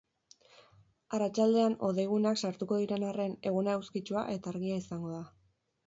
Arratsaldean hodeiguneak sartuko diren arren, eguna eguzkitsua eta argia izango da.